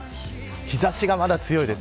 日差しがまだ強いです。